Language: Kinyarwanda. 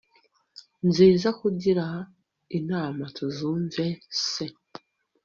nziza nkugira inama ntuzumve se